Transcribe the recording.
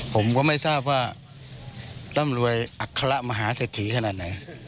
ผมก็ไม่ทราบว่าต้องรวยอักษระมหาเสพถีขนาดไหน